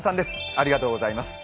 ありがとうございます。